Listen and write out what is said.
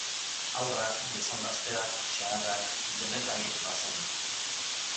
Haurrak, gizon gazteak, xaharrak... denetarik bazen.